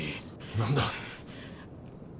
何だ！？